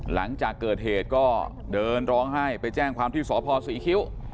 หลังจากเกิดเหตุก็เดินร้องไห้ไปแจ้งความที่สพศรีคิ้ว